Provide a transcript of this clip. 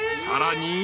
［さらに］